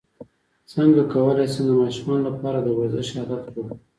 څنګه کولی شم د ماشومانو لپاره د ورزش عادت جوړ کړم